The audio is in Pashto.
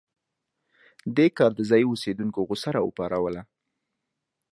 دې کار د ځايي اوسېدونکو غوسه راوپاروله.